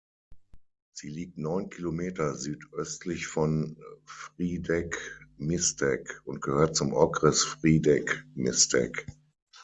Sie liegt neun Kilometer südöstlich von Frýdek-Místek und gehört zum Okres Frýdek-Místek.